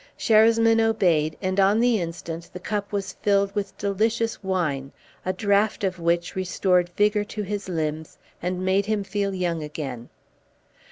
Sherasmin obeyed, and on the instant the cup was filled with delicious wine, a draught of which restored vigor to his limbs, and made him feel young again.